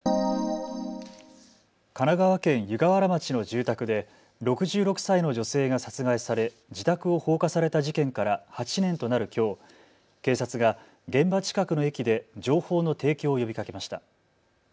神奈川県湯河原町の住宅で６６歳の女性が殺害され自宅を放火された事件から８年となるきょう警察が現場近くの駅で情報の提供を呼びかけました。